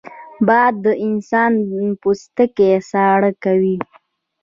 باد د انسان پوستکی ساړه کوي